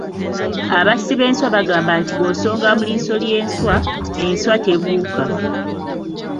Abassi b’enswa bagamba nti bw’osonga mu liiso ly’enswa, enswa tebuuka.